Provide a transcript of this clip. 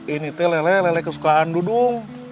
ini teh lele lele kesukaan dudung